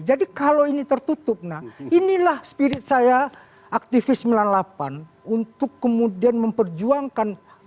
jadi kalau ini tertutup nah inilah spirit saya aktivis sembilan puluh delapan untuk kemudian memperjuangkan